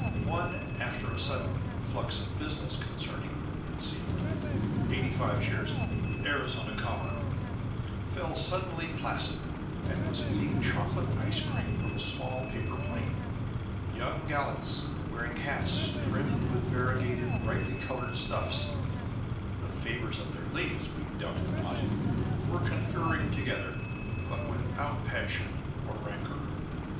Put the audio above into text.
One, after a sudden flux of business concerning (it seemed) 85 shares of Arizona Copper, fell suddenly placid, and was eating chocolate ice cream from a small paper plate. Young gallants, wearing hats trimmed with variegated brightly coloured stuffs (the favours of their ladies, we doubted not), were conferring together, but without passion or rancour.